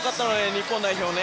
日本代表。